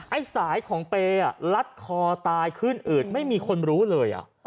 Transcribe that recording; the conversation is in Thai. ไอ้สายของเปย์ลัดคอตายขึ้นอืดไม่มีคนรู้เลย